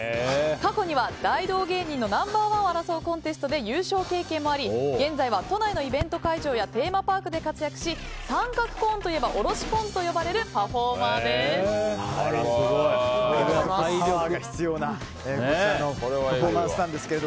過去には大道芸人のナンバー１を争うコンテストで優勝経験もあり現在は都内のイベント会場やテーマパークで活躍し三角コーンといえばおろしぽんづといわれる体力が必要なこちらのパフォーマンスなんですが。